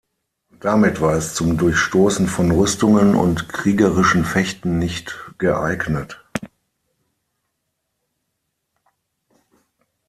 Damit war es zum Durchstoßen von Rüstungen und kriegerischen Fechten nicht geeignet.